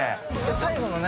最後の何？